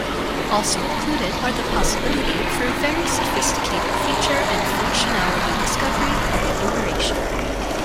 Also included are the possibility for very sophisticated feature and functionality discovery and enumeration.